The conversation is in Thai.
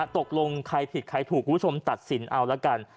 ตกลงใครผิดใครถูกคุณผู้ชมตัดสินเอาละกัน